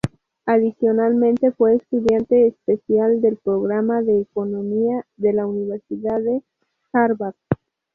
Adicionalmente fue estudiante especial del programa de economía de la Universidad de Harvard.